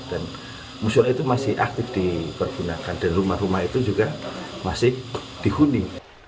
dan musul itu masih aktif dipergunakan dan rumah rumah itu juga masih dihuni